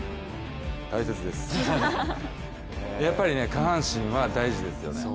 大切です、やっぱり下半身は大事ですよね。